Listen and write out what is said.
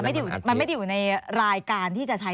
มันไม่ได้อยู่ในรายการที่จะใช้